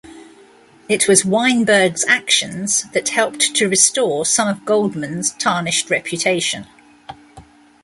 It was Weinberg's actions that helped to restore some of Goldman's tarnished reputation.